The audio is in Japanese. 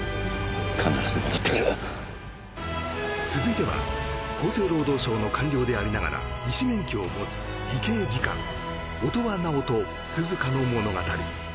必ず戻ってくる続いては厚生労働省の官僚でありながら医師免許を持つ医系技官音羽尚と涼香の物語